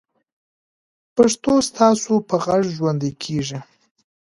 پښتو ستاسو په غږ ژوندۍ کېږي.